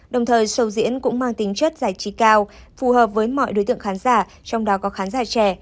đồng thời sầu diễn cũng mang tính chất giải trí cao phù hợp với mọi đối tượng khán giả trong đó có khán giả trẻ